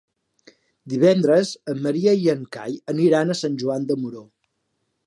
Divendres en Maria i en Cai aniran a Sant Joan de Moró.